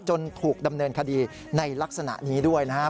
ถูกดำเนินคดีในลักษณะนี้ด้วยนะครับ